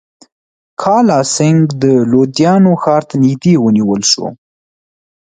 کالاسینګهـ د لودیانې ښار ته نیژدې ونیول شو.